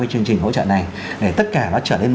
chương trình hỗ trợ này để tất cả nó trở nên